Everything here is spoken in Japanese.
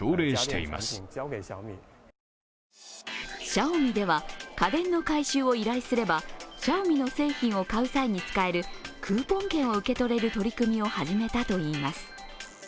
シャオミでは、家電の回収を依頼すればシャオミの製品を買う際に使えるクーポン券を受け取れる取り組みを始めたといいます。